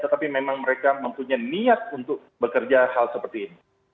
tetapi memang mereka mempunyai niat untuk bekerja hal seperti ini